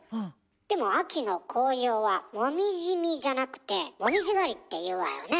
でも秋の紅葉は「もみじ見」じゃなくて「もみじ狩り」って言うわよね。